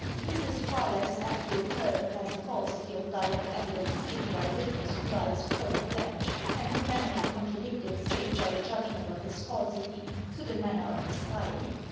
This is far less apt to occur than the falsity of direct evidence given by a witness who lies point blank, and who cannot be contradicted save by a judgment of his falsity through the manner of his lying.